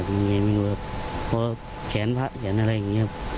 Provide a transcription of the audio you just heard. ยังไงไม่รู้ครับเพราะแขนพระแขนอะไรอย่างนี้ครับ